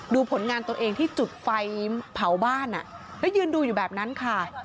ผลงานตัวเองที่จุดไฟเผาบ้านแล้วยืนดูอยู่แบบนั้นค่ะ